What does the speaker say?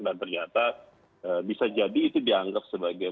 dan ternyata bisa jadi itu dianggap sebagai